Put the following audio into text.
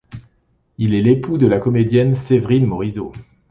Il est l'époux de la comédienne Séverine Morisot.